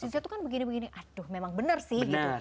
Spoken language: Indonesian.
z tuh kan begini begini aduh memang bener sih